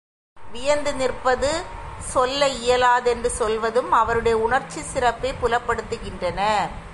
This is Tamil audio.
வியந்து நிற்பதும், சொல்ல இயலாதென்று சொல்வதும் அவருடைய உணர்ச்சிச் சிறப்பைப் புலப்படுத்துகின்றன.